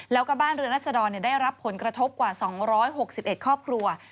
แล้วก็บ้านเรือนรัศดรได้รับผลกระทบกว่า๒๖๑ครอบครัว